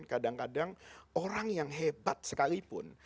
kadang kadang orang yang hebat sekalipun